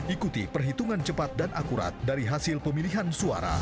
ikuti perhitungan cepat dan akurat dari hasil pemilihan suara